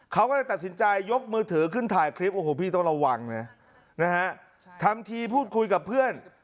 เขาก็เลยตัดสินใจยกมือถือขึ้นถ่ายคลิปโอ้โหพี่ต้องระวังนะนะฮะทำทีพูดคุยกับเพื่อน